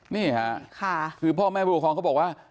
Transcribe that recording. นี่ค่ะคือพ่อแม่ผู้ปกครองเขาบอกว่า